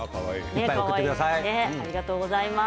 ありがとうございます。